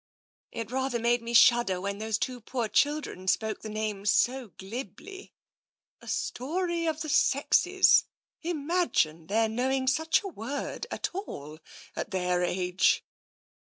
" It rather made me shudder when those two poor children spoke the name so glibly. * A Story of the Sexes *— imagine their knowing such a word at all, at their age